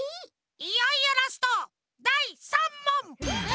いよいよラストだい３もん！